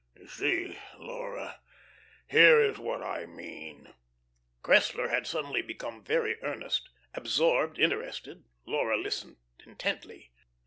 You see Laura, here is what I mean." Cressler had suddenly become very earnest. Absorbed, interested, Laura listened intently.